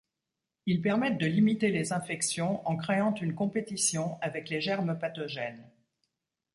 Ils permettent de limiter les infections en créant une compétition avec les germes pathogènes.